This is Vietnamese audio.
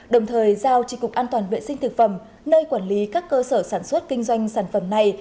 đồng thời giao tri cục an toàn vệ sinh thực phẩm nơi quản lý các cơ sở sản xuất kinh doanh sản phẩm này